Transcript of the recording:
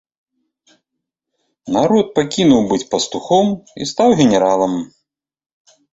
Народ пакінуў быць пастухом і стаў генералам.